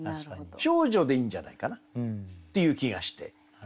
「少女」でいいんじゃないかなっていう気がして。